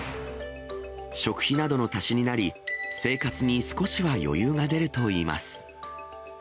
食費などの足しになり、生活に少しは余裕が出るといいます。